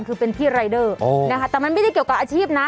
คือเป็นพี่รายเดอร์นะคะแต่มันไม่ได้เกี่ยวกับอาชีพนะ